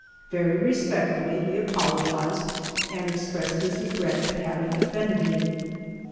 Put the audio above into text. Very respectfully he apologized, and expressed his regret at having offended me.